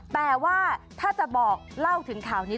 แต่ว่าถ้าจะบอกเล่าถึงข่าวนี้